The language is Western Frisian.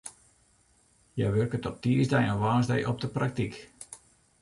Hja wurket op tiisdei en woansdei op de praktyk.